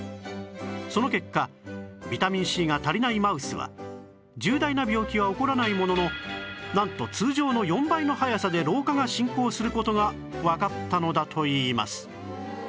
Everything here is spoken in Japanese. その結果ビタミン Ｃ が足りないマウスは重大な病気は起こらないもののなんと通常の４倍の速さで老化が進行する事がわかったのだといいます